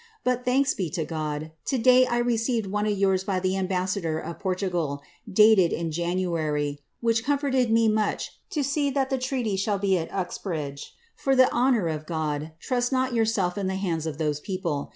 But thanks be to God, 1^ day I received one of yours by the ambassador of Portugal, dated in Janouf^ which comforted me much to see that the treaty shall be at Uxbridge. For tks ' honour of God, trust not yourself in the hands of those people.